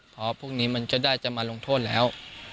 เพราะพวกนี้มันจะได้จะมาลงโทษแล้ว